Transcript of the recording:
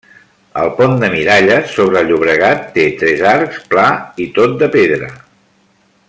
El pont de Miralles, sobre el Llobregat, té tres arcs, pla i tot de pedra.